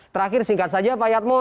terakhir singkat saja pak yatmo